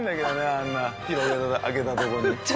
あんな開けたところに。